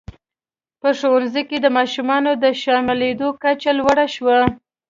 په ښوونځیو کې د ماشومانو د شاملېدو کچه لوړه شوه.